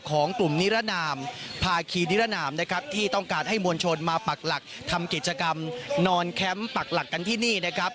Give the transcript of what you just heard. ของกลุ่มนิรนามภาคีนิรนามนะครับที่ต้องการให้มวลชนมาปักหลักทำกิจกรรมนอนแคมป์ปักหลักกันที่นี่นะครับ